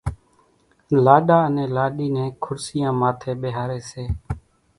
لاڏا انين لاڏِي نين کُڙسِيان ماٿيَ ٻيۿاريَ سي۔